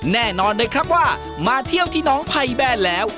แน่นอนเลยครับว่ามาเที่ยวที่น้องไพแบนแล้ว